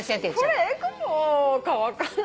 これえくぼか分かんない。